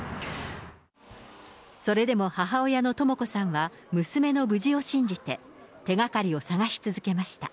それでも母親のとも子さんは、娘の無事を信じて、手がかりを捜し続けました。